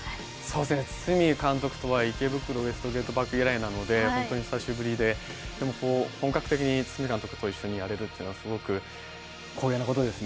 堤監督とは「池袋ウエストゲートパーク」以来なので、本当に久しぶりで、でも本格的に堤監督と一緒にやれるのはすごく光栄なことですね。